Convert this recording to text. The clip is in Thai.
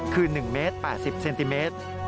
คือ๑เมตร๘๐เซนติเมตร